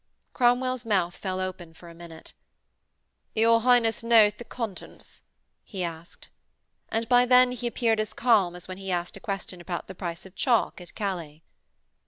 Cromwell's mouth fell open for a minute. 'Your Highness knoweth the contents?' he asked. And by then he appeared as calm as when he asked a question about the price of chalk at Calais.